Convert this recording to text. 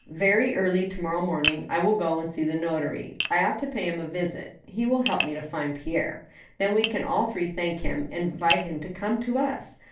Very early to morrow morning I will go and see the notary. I ought to pay him a visit. He will help me to find Pierre. Then we can all three thank him, and invite him to come to us.